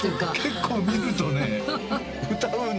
結構見るとね歌うんだよ。